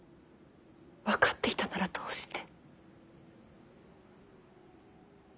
分かっていたならどうして。